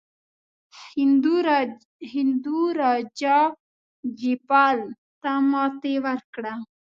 هندو راجا جیپال ته ماته ورکړه.